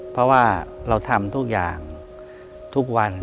เพราะว่าเราทำทุกอย่างทุกวัน